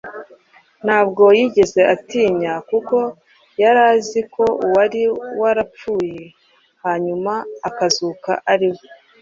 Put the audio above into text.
ntabwo yigeze atinya kuko yari azi ko Uwari warapfuye hanyuma akazuka ari we